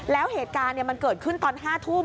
แล้วเหตุการณ์มันเกิดขึ้นตอน๕ทุ่ม